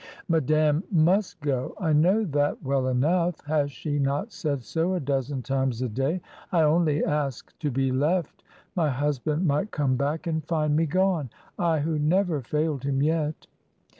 Madame must go, I know that well enough; has she not said so a dozen times a day? I only ask to be left; my husband might come back and find me gone, I who never failed him yet."